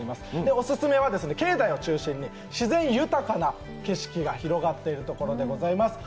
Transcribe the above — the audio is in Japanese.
オススメは境内を中心に自然豊かな景色が広がっているところでございます。